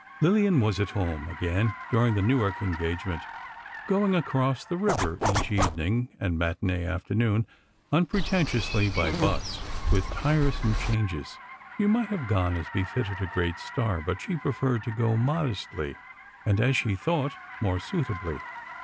Lillian was at home again during the Newark engagement, going across the river each evening and matinée afternoon, unpretentiously by bus, with tiresome changes. She might have gone as befitted a great star, but she preferred to go modestly, and, as she thought, more suitably.